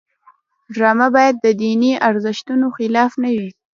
ډرامه باید د دیني ارزښتونو خلاف نه وي